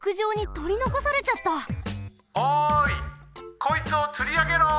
こいつをつりあげろ！